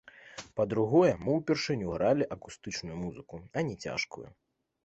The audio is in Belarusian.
Па-другое, мы ўпершыню гралі акустычную музыку, а не цяжкую.